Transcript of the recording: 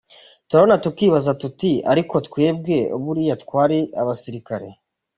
Turarubona tukibaza tuti ‘ariko twebwe buriya twari abasirikare?”